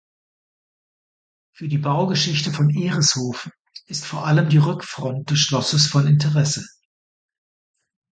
Für die Baugeschichte von Ehreshoven ist vor allem die Rückfront des Schlosses von Interesse.